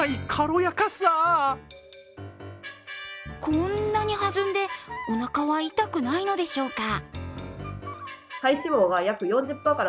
こんなに弾んで、おなかは痛くないのでしょうか？